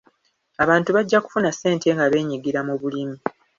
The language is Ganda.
Abantu bajja kufuna ssente nga beenyigira mu bulimu.